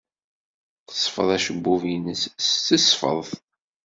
Tesfeḍ acebbub-nnes s tesfeḍt.